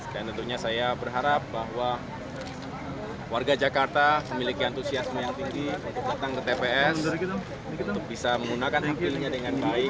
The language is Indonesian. dan tentunya saya berharap bahwa warga jakarta memiliki antusiasme yang tinggi untuk datang ke tps untuk bisa menggunakan hak pilihnya dengan baik